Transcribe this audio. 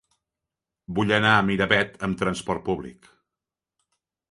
Vull anar a Miravet amb trasport públic.